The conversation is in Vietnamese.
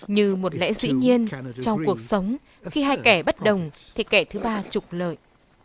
như một lẽ dĩ nhiên trong cuộc sống khi hai kẻ bất đồng thì kẻ thứ ba trục lợi